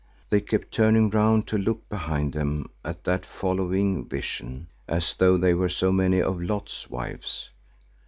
They kept turning round to look behind them at that following vision, as though they were so many of Lot's wives.